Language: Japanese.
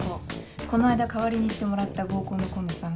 この間代わりに行ってもらった合コンの紺野さん